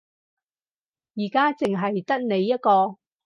而家淨係得你一個